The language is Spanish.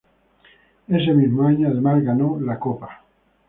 Ese mismo año además ganó la copa.